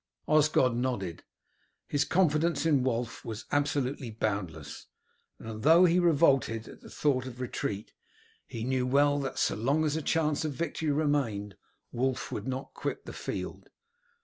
Osgod nodded. His confidence in Wulf was absolutely boundless, and though he revolted at the thought of retreat he knew well that so long as a chance of victory remained Wulf would not quit the field.